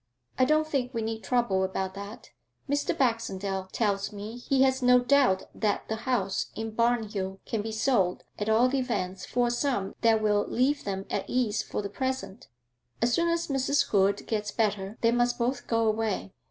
'I don't think we need trouble about that. Mr. Baxendale tells me he has no doubt that the house in Barnhill can be sold at all events for a sum that will leave them at ease for the present. As soon as Mrs. Hood gets better, they must both go away.